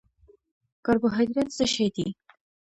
کاربوهایډریټ څه شی دی؟